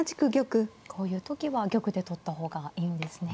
こういう時は玉で取った方がいいんですね。